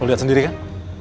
kau lihat sendiri kan